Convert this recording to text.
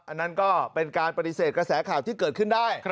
อันนั้นก็เป็นการปฏิเสธกระแสข่าวที่เกิดขึ้นได้